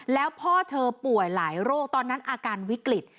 แล้วพ่อเธอป่วยหลายโรคตอนนั้นอาการวิกฤต